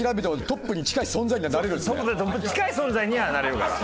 トップに近い存在にはなれるから。